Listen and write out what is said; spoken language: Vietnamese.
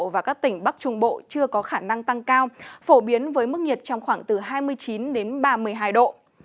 và các tỉnh bắc trung bộ chưa có khả năng tăng cao phổ biến với mức nhiệt trong khoảng từ hai mươi chín đến ba mươi hai độ